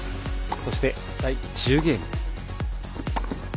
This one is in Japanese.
そして、第１０ゲーム。